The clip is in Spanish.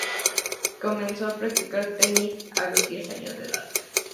Comenzó a practicar tenis a los diez años de edad.